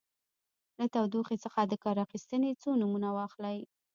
له تودوخې څخه د کار اخیستنې څو نومونه واخلئ.